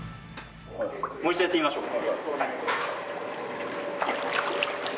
もう一度やってみましょう。